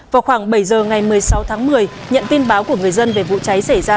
vào khoảng bảy giờ ngày một mươi sáu tháng một mươi nhận tin báo của người dân về vụ cháy xảy ra